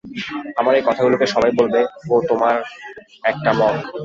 আমার এই কথাগুলোকে সবাই বলবে, ও তোমার একটা মত।